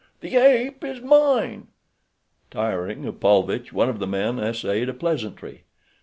The ape is mine." Tiring of Paulvitch, one of the men essayed a pleasantry.